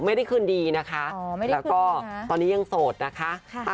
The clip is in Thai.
ไม่ได้คืนดีนะคะแล้วก็ตอนนี้ยังโสดนะคะ